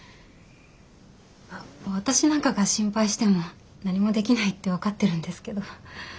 私なんかが心配しても何もできないって分かってるんですけど。